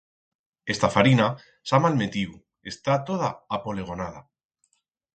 Esta farina s'ha malmetiu, está toda apolegonada.